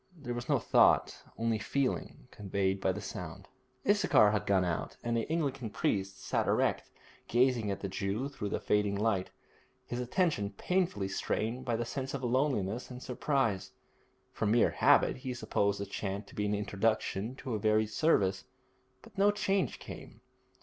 There was no thought, only feeling, conveyed by the sound. Issachar had gone out, and the Anglican priest sat erect, gazing at the Jew through the fading light, his attention painfully strained by the sense of loneliness and surprise. From mere habit he supposed the chant to be an introduction to a varied service, but no change came.